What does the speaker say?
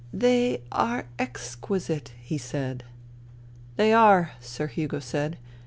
" They are exquisite," he said. " They are," Sir Hugo said.